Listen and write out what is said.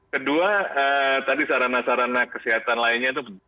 kedua tadi sarana sarana kesehatan lainnya itu